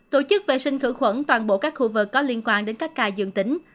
tổ chức vệ sinh thử khuẩn toàn bộ các khu vực có liên quan đến các cài dương tính